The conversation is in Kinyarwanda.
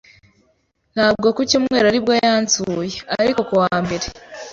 Ntabwo ku cyumweru ari bwo yansuye, ariko ku wa mbere.